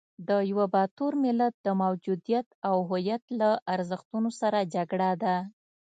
د یوه باتور ملت د موجودیت او هویت له ارزښتونو سره جګړه ده.